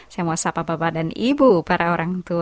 saya menguasai bapak dan ibu para orang